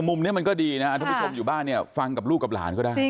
มุมนี้มันก็ดีนะท่านผู้ชมอยู่บ้านเนี่ยฟังกับลูกกับหลานก็ได้